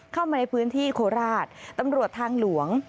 เข้ามาในพื้นที่โคราชตำรวจทางหลวง